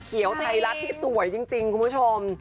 เขียวไทยรัฐที่สวยจริงคุณผู้ชม